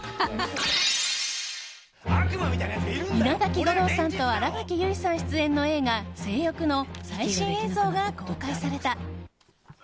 稲垣吾郎さんと新垣結衣さん出演の映画「正欲」の最新映像が公開された。